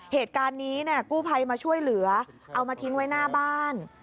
เหตุการณ์นี้เนี่ยกู้ภัยมาช่วยเหลือเอามาทิ้งไว้หน้าบ้าน